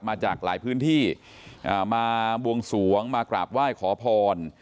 มาจากหลายพื้นที่มาบวงสวงมากราบไหว้ขอพร